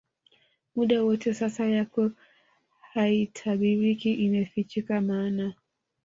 muda wote sasa yako haitabiriki Imefichika maana